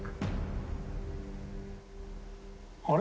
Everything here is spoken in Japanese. あれ？